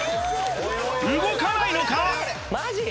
動かないのか？